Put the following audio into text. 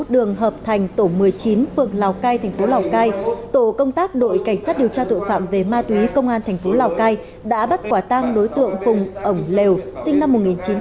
đường hợp thành tổ một mươi chín phường lào cai thành phố lào cai tổ công tác đội cảnh sát điều tra tội phạm về ma túy công an thành phố lào cai đã bắt quả tang đối tượng phùng lều sinh năm một nghìn chín trăm tám mươi